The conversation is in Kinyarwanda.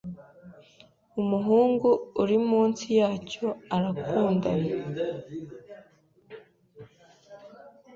Umuhungu uri munsi yacyoarakundana